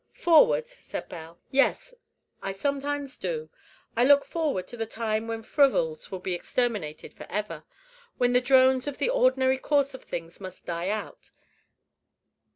"Forward," said Belle; "yes, I sometimes do. I look forward to the time when frivols will be exterminated forever, when the drones in the ordinary course of things must die out.